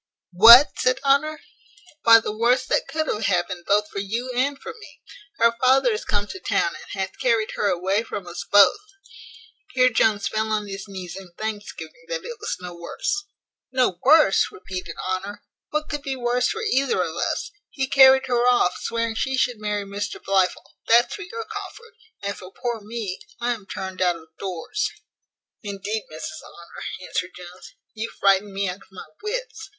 What?" said Honour: "Why, the worst that could have happened both for you and for me. Her father is come to town, and hath carried her away from us both." Here Jones fell on his knees in thanksgiving that it was no worse. "No worse!" repeated Honour; "what could be worse for either of us? He carried her off, swearing she should marry Mr Blifil; that's for your comfort; and, for poor me, I am turned out of doors." "Indeed, Mrs Honour," answered Jones, "you frightened me out of my wits.